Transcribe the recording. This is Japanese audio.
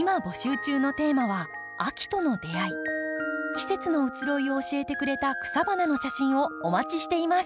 季節の移ろいを教えてくれた草花の写真をお待ちしています。